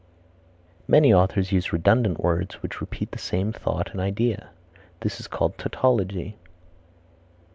Many authors use redundant words which repeat the same thought and idea. This is called tautology.